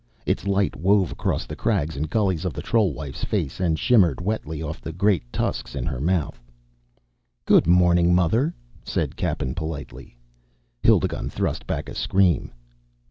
Its light wove across the crags and gullies of the troll wife's face and shimmered wetly off the great tusks in her mouth. "Good morning, mother," said Cappen politely. Hildigund thrust back a scream.